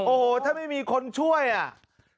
โอ้โหถ้าไม่มีคนช่วยอ่ะ